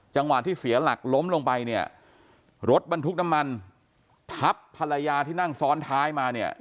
จังหวะที่เสียหลักล้มลงไปเนี่ยรถบรรทุกน้ำมันทับภรรยาที่นั่งซ้อนท้ายมาเนี่ย